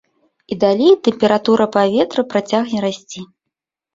І далей тэмпература паветра працягне расці.